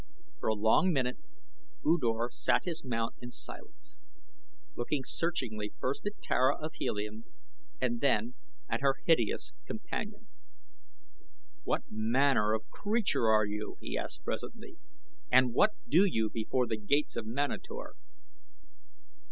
For a long minute U Dor sat his mount in silence, looking searchingly first at Tara of Helium and then at her hideous companion. "What manner of creature are you?" he asked presently. "And what do you before the gates of Manator?"